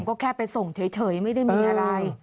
ก็แค่ไปส่งเฉยไม่ได้มีอะไร